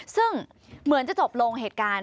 ซึ่งเหมือนจะจบลงเหตุการณ์